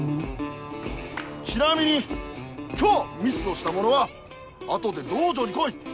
ちなみに今日ミスをした者はあとで道場に来い！